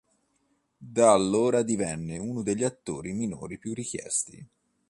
Da allora divenne uno degli attori minori più richiesti.